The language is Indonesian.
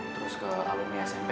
terus ke alumni smp